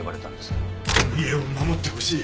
家を守ってほしい。